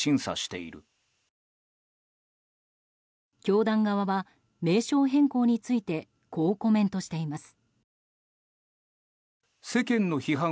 教団側は名称変更についてこうコメントしています。